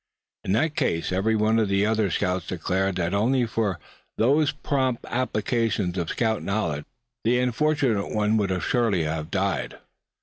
In that case every one of the other scouts declared that only for these prompt applications of scout knowledge the unfortunate one would surely have died.